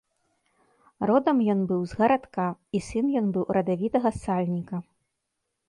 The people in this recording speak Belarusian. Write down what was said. Родам ён быў з гарадка, і сын ён быў радавітага сальніка.